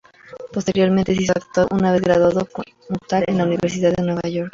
Posteriormente se hizo actor una vez graduado como tal en la Universidad York.